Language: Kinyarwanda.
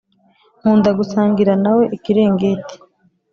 nkunda gusangira nawe ikiringiti